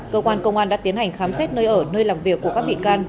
cơ quan công an đã tiến hành khám xét nơi ở nơi làm việc của các bị can